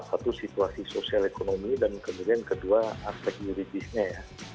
satu situasi sosial ekonomi dan kemudian kedua aspek yuridisnya ya